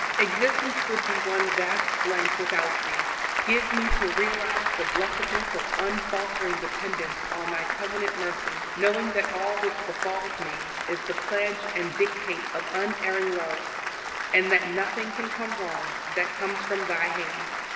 Existence would be one vast blank without Thee. Give me to realize the blessedness of unfaltering dependence on Thy covenant mercy, knowing that all which befalls me is the pledge and dictate of unerring love, and that nothing can come wrong that comes from Thy hand.